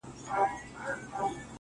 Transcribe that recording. سیاه پوسي ده، افغانستان دی,